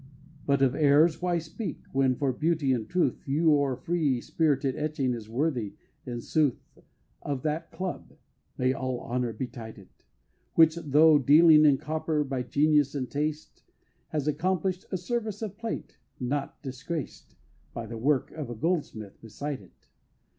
But of errors why speak, when for beauty and truth Your free, spirited Etching is worthy, in sooth, Of that Club (may all honor betide it!) Which, tho' dealing in copper, by genius and taste, Has accomplish'd a service of plate not disgraced By the work of a Goldsmith beside it.